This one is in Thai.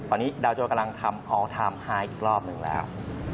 ตอนนี้ดาวโจกำลังทำออลไทม์ไฮอีกรอบหนึ่งแล้ว